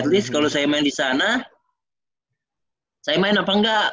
this kalau saya main di sana saya main apa enggak